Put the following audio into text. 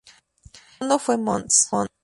El segundo fue Mons.